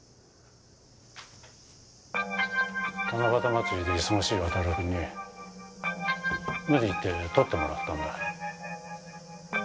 七夕祭りで忙しい亘くんに無理言って撮ってもらったんだ。